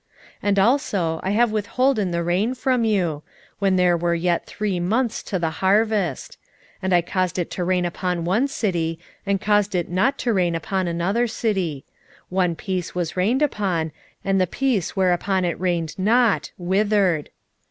4:7 And also I have withholden the rain from you, when there were yet three months to the harvest: and I caused it to rain upon one city, and caused it not to rain upon another city: one piece was rained upon, and the piece whereupon it rained not withered.